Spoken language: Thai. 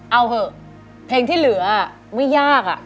เอาเถอะเพลงที่เหลือไม่ยากอะ